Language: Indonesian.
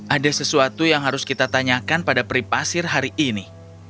ada sesuatu yang harus kita tanyakan pada peripasir hari ini